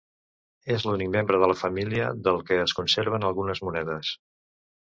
És l'únic membre de la família del que es conserven algunes monedes.